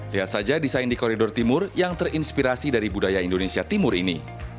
lihat saja desain di koridor timur yang terinspirasi dari budaya indonesia timur ini